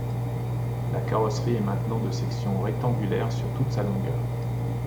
La carrosserie est maintenant de section rectangulaire sur toute sa longueur.